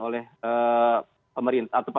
oleh pemerintah atau